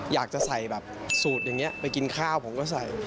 อยากจะใส่แบบสูตรอย่างนี้ไปกินข้าวผมก็ใส่